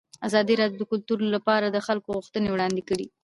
ازادي راډیو د کلتور لپاره د خلکو غوښتنې وړاندې کړي.